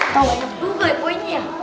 atau banyak doang ya poinnya